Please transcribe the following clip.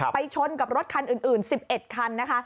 ชนกับรถคันอื่น๑๑คันนะคะ